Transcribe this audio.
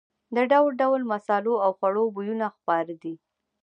د ډول ډول مسالو او خوړو بویونه خپاره دي.